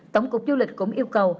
tổng cục du lịch cũng yêu cầu